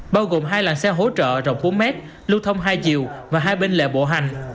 bao gồm hai làng xe hỗ trợ rộng bốn m lưu thông hai diều và hai bên lệ bộ hành